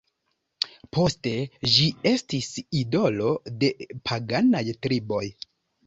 Poste ĝi estis idolo de paganaj triboj.